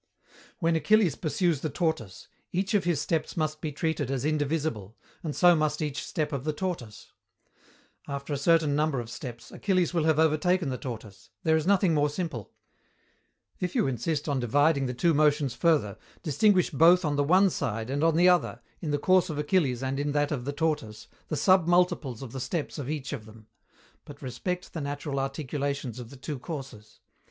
When Achilles pursues the tortoise, each of his steps must be treated as indivisible, and so must each step of the tortoise. After a certain number of steps, Achilles will have overtaken the tortoise. There is nothing more simple. If you insist on dividing the two motions further, distinguish both on the one side and on the other, in the course of Achilles and in that of the tortoise, the sub multiples of the steps of each of them; but respect the natural articulations of the two courses.